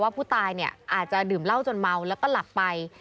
ว่าผู้ตายอาจจะดื่มเหล้าจนเมาแล้วปั้นหลับไป